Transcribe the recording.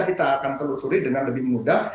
kita akan telusuri dengan lebih mudah